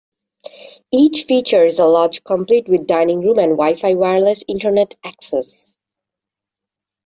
Each features a lodge complete with dining room and Wi-Fi wireless Internet access.